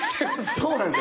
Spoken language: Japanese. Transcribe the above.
そうなんですよ。